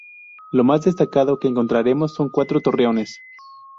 Lo mas destacado que encontraremos son cuatro torreones.